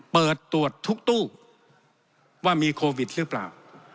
เปิดตรวจทุกตู้ว่ามีโควิดหรือเปล่า